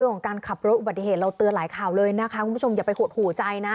ของการขับรถอุบัติเหตุเราเตือนหลายข่าวเลยนะคะคุณผู้ชมอย่าไปหดหูใจนะ